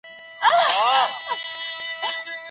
دولت په سیاست کي خپله برخه اخیستې ده.